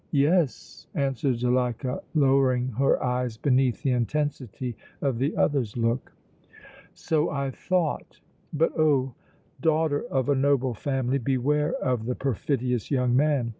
"Yes," answered Zuleika, lowering her eyes beneath the intensity of the other's look. "So I thought, but oh! daughter of a noble family, beware of the perfidious young man!